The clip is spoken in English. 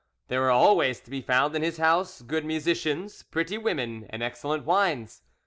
There were always to be found in his house good musicians, pretty women, and excellent wines.